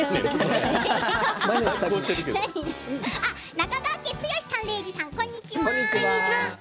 中川家、剛さん、礼二さんこんにちは。